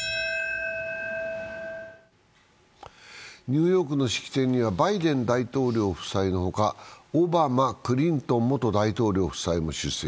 ニューヨークの式典にはバイデン大統領夫妻の他、オバマ、クリントン元大統領夫妻も出席。